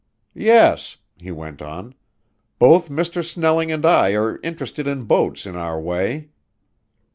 "Yes," he went on, "both Mr. Snelling and I are interested in boats in our way."